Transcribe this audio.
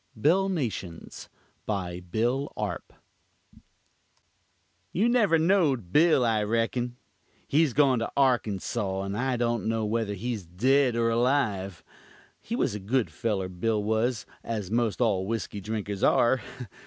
BILL NATIONS BY BILL ARP You never knowd Bill, I rekun. Hes gone to Arkensaw, and I don't know whether hes ded or alive. He was a good feller, Bill was, as most all whisky drinkers are.